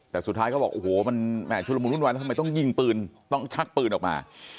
แต่สุดท้ายเขาบอกโอ้โหมันแห่ชุดละมุนวุ่นวายแล้วทำไมต้องยิงปืนต้องชักปืนออกมา